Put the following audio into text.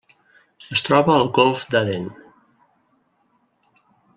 Es troba al Golf d'Aden.